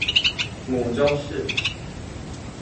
母邹氏。